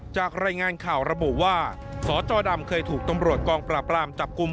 จากรายงานข่าวระบุว่าสจดำเคยถูกตำรวจกองปราบรามจับกลุ่ม